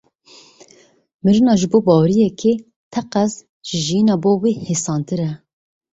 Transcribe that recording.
Mirina ji bo baweriyekê, teqez ji jiyîna bo wê hêsantir e.